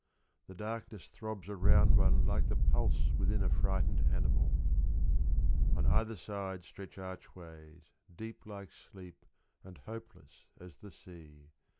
The darkness throbs around one like the pulse Within a frightened animal. On either side stretch archways Deep like sleep and hopeless as the sea.